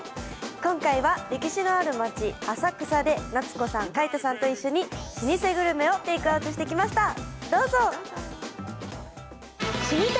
今回は歴史のある街、浅草で夏子さん、海音さんと一緒に老舗グルメをテークアウトしてきました。